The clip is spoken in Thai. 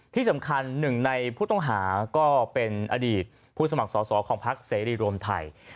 ที่สำคัญหนึ่งในผู้ต้องหาก็เป็นอดีตผู้สมัครสอของภรรยาศิลปุ่นรวมไทย